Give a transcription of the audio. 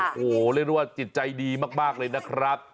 โอ้โหเรียกได้ว่าจิตใจดีมากเลยนะครับ